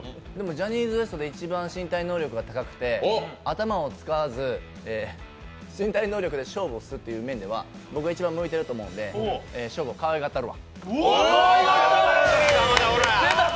ジャニーズＷＥＳＴで一番身体能力が高くて、頭を使わず身体能力で勝負するという面では僕が一番向いてると思うので、僕がショーゴ、かわいがったるわ。